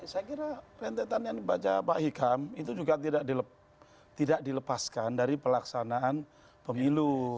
saya kira rentetan yang dibaca pak hikam itu juga tidak dilepaskan dari pelaksanaan pemilu